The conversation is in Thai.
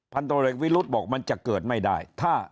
พันธุระเหล็กวิรุฑบอกมันจะเกิดไม่ได้